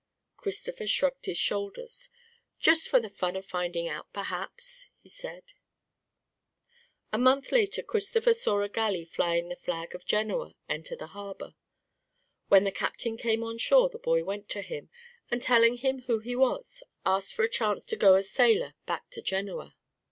Christopher shrugged his shoulders. "Just for the fun of finding out, perhaps," he said. A month later Christopher saw a galley flying the flag of Genoa enter the harbor. When the captain came on shore the boy went to him, and telling him who he was, asked for a chance to go as sailor back to Genoa.